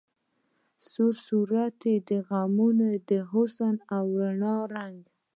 سور تورو غمونو کی د حسن او رڼا رنګ